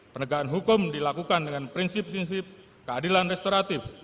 penegakan hukum dilakukan dengan prinsip prinsip keadilan restoratif